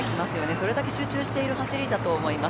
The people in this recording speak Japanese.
それだけ集中している走りだと思います。